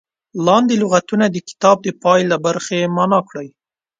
لاندې لغتونه د کتاب د پای له برخې معنا کړي.